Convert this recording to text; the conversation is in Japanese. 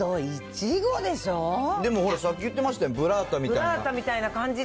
でもほら、さっき言ってましたよ、ブラータみたいな感じって。